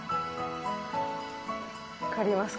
分かりますか。